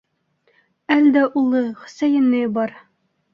Әлдә улы, Хөсәйене бар.